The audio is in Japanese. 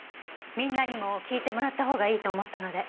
みんなにも聞いてもらったほうがいいと思ったので。